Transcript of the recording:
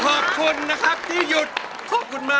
ขอบคุณมากที่หยุด